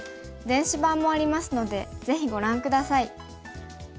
電子版もありますのでぜひご覧下さい。